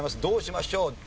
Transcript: どうしましょう？